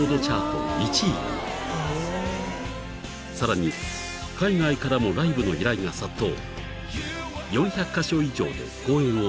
［さらに海外からもライブの依頼が殺到］